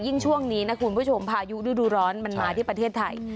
ช่วงนี้นะคุณผู้ชมพายุฤดูร้อนมันมาที่ประเทศไทย